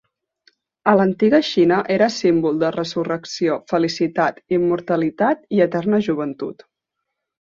A l'Antiga Xina era símbol de resurrecció, felicitat, immortalitat i eterna joventut.